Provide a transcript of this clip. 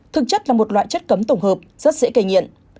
thực chất là một loại chất cấm tổng hợp rất dễ kề nhiện